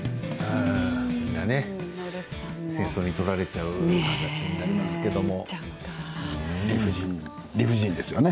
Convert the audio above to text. みんな戦争に取られちゃう形になりましたけどね。